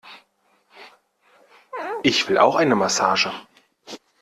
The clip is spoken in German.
Ich will auch eine Massage!